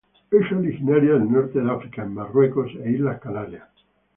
Es originaria del Norte de África en Marruecos e Islas Canarias.